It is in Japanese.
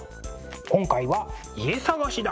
今回は家探しだ！